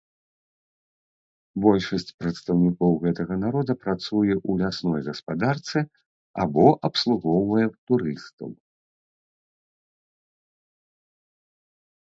Большасць прадстаўнікоў гэтага народа працуе ў лясной гаспадарцы або абслугоўвае турыстаў.